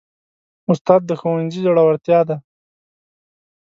استاد د ښوونځي زړورتیا ده.